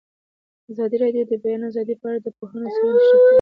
ازادي راډیو د د بیان آزادي په اړه د پوهانو څېړنې تشریح کړې.